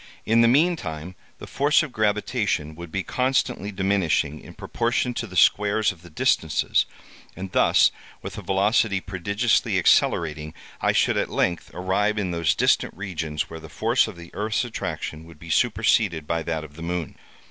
In the meantime, the force of gravitation would be constantly diminishing, in proportion to the squares of the distances, and thus, with a velocity prodigiously accelerating, I should at length arrive in those distant regions where the force of the earth's attraction would be superseded by that of the moon.